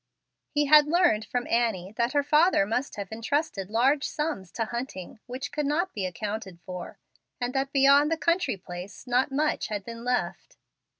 He had learned from Annie that her father must have intrusted large sums to Hunting which could not be accounted for, and that beyond the country place not much had been left.